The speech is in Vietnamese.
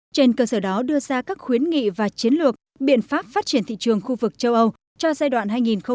trên cơ sở đó đưa ra các khuyến nghị và chiến lược biện pháp phát triển thị trường khu vực châu âu cho giai đoạn hai nghìn một mươi sáu hai nghìn ba mươi